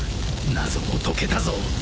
謎も解けたぞ！